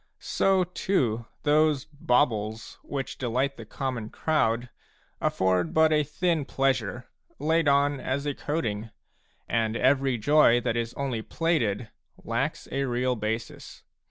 So too those baubles which delight the common crowd afford but a thin pleasure, laid on as a coating, and every joy that is only plated lacks a real basis.